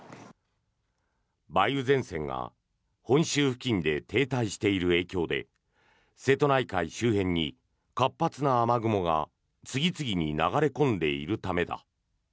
梅雨前線が本州付近で停滞している影響で瀬戸内海周辺に活発な雨雲が次々に流れ込んでいるためだ。